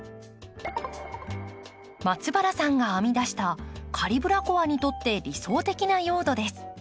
松原さんが編み出したカリブラコアにとって理想的な用土です。